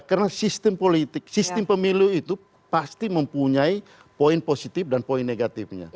karena sistem politik sistem pemilu itu pasti mempunyai poin positif dan poin negatifnya